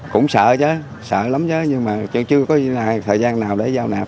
cũng sợ chứ sợ lắm chứ nhưng mà chưa có thời gian nào để giao nạp